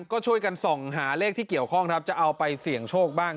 ก็ช่วยกันส่องหาเลขที่เกี่ยวข้องครับจะเอาไปเสี่ยงโชคบ้าง